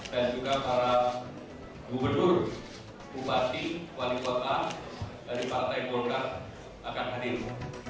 dan juga para gubernur bupati wali kota dari partai golkar akan hadir